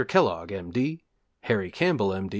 Kellogg, M.D. Harry Campbell, M.